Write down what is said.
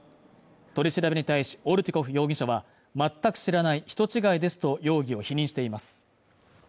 取り調べに対しオルティコフ容疑者は全く知らない人ちがいですと容疑を否認しています